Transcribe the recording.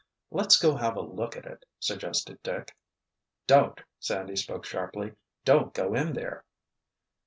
"Let's go have a look at it," suggested Dick. "Don't!" Sandy spoke sharply. "Don't go in there!"